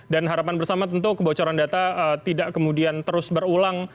harapan bersama tentu kebocoran data tidak kemudian terus berulang